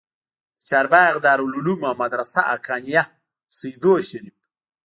د چارباغ دارالعلوم او مدرسه حقانيه سېدو شريف